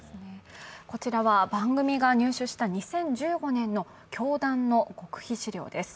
こちらは番組が入手した２０１５年の教団の極秘資料です。